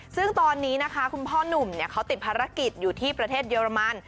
ซึ่งตอนนี้นะคะคุณพ่อหนุ่มเขาติดภารกิจอยู่ที่ประเทศเยอรมัน